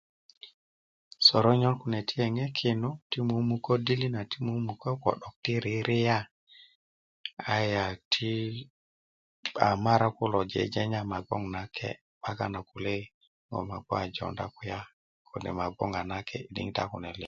soronyon kune ti yeŋe kindu ti mumukä dili na ti mumukä ko 'dok ti ririyá a ya ti mara kulo jejenya ma gboŋ nakye 'bakan na kule ŋo ma jonda kulya ma gboŋ na kiye diŋitan kune liŋ